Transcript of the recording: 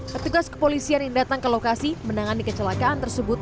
petugas kepolisian yang datang ke lokasi menangani kecelakaan tersebut